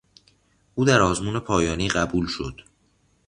او در آزمون پایانی قبول شد.